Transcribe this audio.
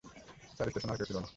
Sir, স্টেশনে আর কেউ ছিল না।